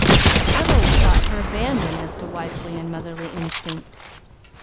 I've always thought her abandoned as to wifely and motherly instinct.